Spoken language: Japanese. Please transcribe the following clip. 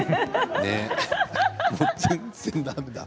全然だめだ。